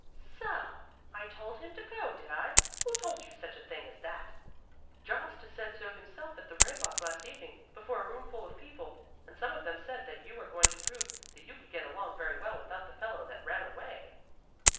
"So! I told him to go, did I? Who told you such a thing as that?" "Jost said so himself at the Rehbock last evening, before a room full of people; and some of them said that you were going to prove that you could get along very well without the fellow that ran away."